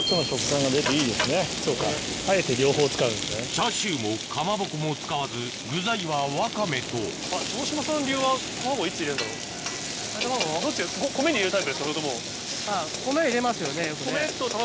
チャーシューもかまぼこも使わず具材はワカメとはい。